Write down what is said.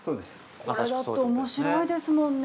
◆これだっておもしろいですもんね。